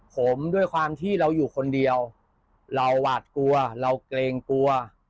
ผมด้วยความที่เราอยู่คนเดียวเราหวาดกลัวเราเกรงกลัว